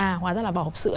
à hóa ra là vào hộp sữa